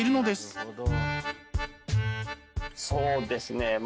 なるほど。